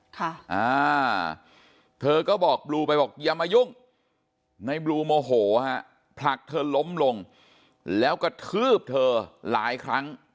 ค่ะอ่าเธอก็บอกบลูไปบอกอย่ามายุ่งในบลูโมโหฮะผลักเธอล้มลงแล้วกระทืบเธอหลายครั้ง